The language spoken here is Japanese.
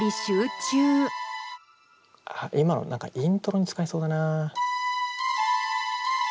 今の何かイントロに使えそうだな。